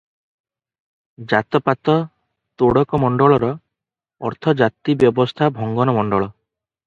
"ଜାତ-ପାତ ତୋଡ଼କ ମଣ୍ଡଳ"ର ଅର୍ଥ ଜାତି ବ୍ୟବସ୍ଥା ଭଙ୍ଗନ ମଣ୍ଡଳ ।"